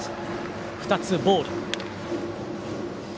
２つボール。